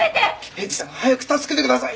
刑事さん早く助けてください！